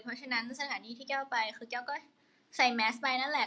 เพราะฉะนั้นสถานที่ที่แก้วไปคือแก้วก็ใส่แมสไปนั่นแหละ